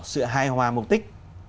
sự hài hòa mục tích